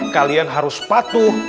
kalian harus patuh